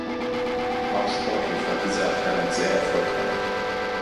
Auch sportlich war diese Abteilung sehr erfolgreich.